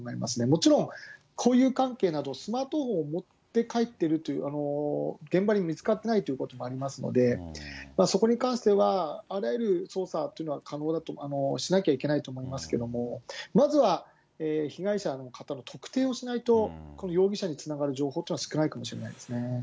もちろん、交友関係などスマートフォンを持って帰ってるっていう、現場で見つかっていないということもありますので、そこに関しては、あらゆる捜査というのはしなきゃいけないと思いますけれども、まずは、被害者の方の特定をしないと、容疑者につながる情報というのは少ないかもしれないですね。